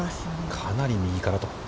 かなり右からと。